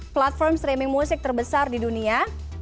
platform streaming musik terbesar di dunia